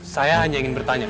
saya hanya ingin bertanya